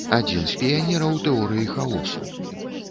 Адзін з піянераў тэорыі хаосу.